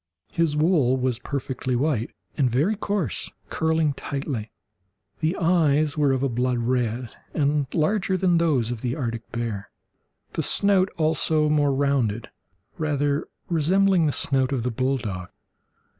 His wool was perfectly white, and very coarse, curling tightly. The eyes were of a blood red, and larger than those of the Arctic bear, the snout also more rounded, rather resembling the snout of the bulldog.